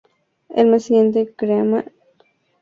El mes siguiente Kramer comenzó a trabajar en su álbum debut.